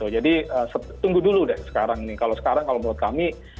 jadi tunggu dulu deh sekarang nih kalau sekarang kalau menurut kami